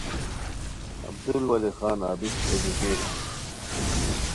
عبدالولی خان عابدؔ ایڈوکیٹ